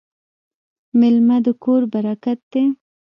میلمه د کور برکت دی.